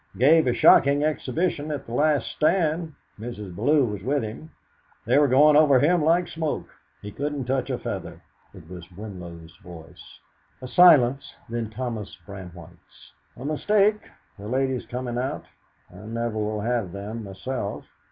"Gave a shocking exhibition at the last stand; Mrs. Bellew was with him. They were going over him like smoke; he couldn't touch a feather." It was Winlow's voice. A silence, then Thomas Brandwhite's: "A mistake, the ladies coming out. I never will have them myself.